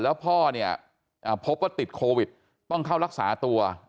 แล้วพ่อเนี่ยพบว่าติดโควิดต้องเข้ารักษาตัว